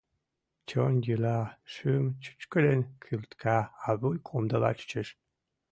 Чон йӱла, шӱм чӱчкыдын кӱлтка, а вуй комдыла чучеш.